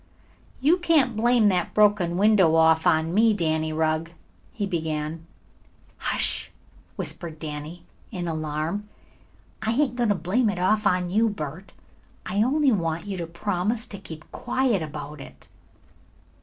"You can't blame that broken window off on me, Danny Rugg," he began. "Hush!" whispered Danny, in alarm. "I ain't going to blame it off on you, Bert. I only want you to promise to keep quiet about it."